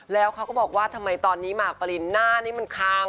แล้วเขาก็บอกว่าทำไมตอนนี้หมากปรินหน้านี้มันคาง